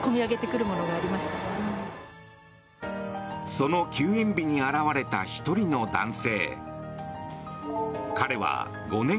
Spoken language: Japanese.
その休園日に現れた１人の男性。